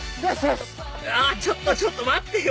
あちょっとちょっと！待ってよ！